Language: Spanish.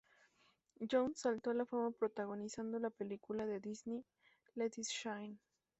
Jones saltó a la fama protagonizando la película de Disney, "Let It Shine".